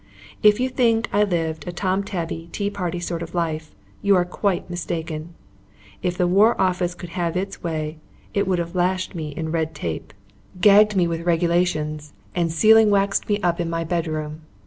If you think I lived a Tom tabby, tea party sort of life, you are quite mistaken. If the War Office could have its way, it would have lashed me in red tape, gagged me with Regulations, and sealing waxed me up in my bed room.